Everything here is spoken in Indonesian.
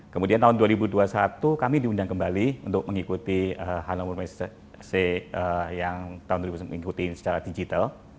kemudian tahun dua ribu dua puluh satu kami diundang kembali untuk mengikuti hannover messe yang tahun dua ribu sembilan mengikuti secara digital